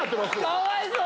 かわいそう！